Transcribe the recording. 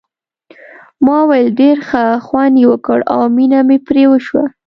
ما وویل ډېر ښه خوند یې وکړ او مینه مې پرې وشوه.